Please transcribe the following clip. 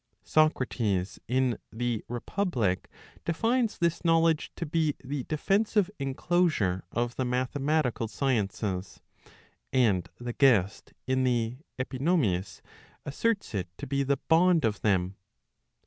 Socrates, in the Republic, defines this knowledge to be the defensive inclosure of the mathematical sciences, and the guest in the Epinomis asserts it to be the bond of them.